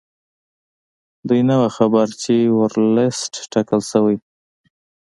دوی نه وو خبر چې ورلسټ ټاکل شوی.